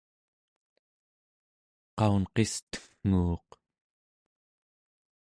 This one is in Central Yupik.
qaunqisten͞guuq